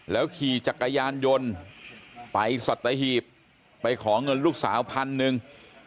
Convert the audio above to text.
ขี่จักรยานยนต์ไปสัตหีบไปขอเงินลูกสาวพันหนึ่ง